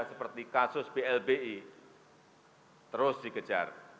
seperti kasus blbi terus dikejar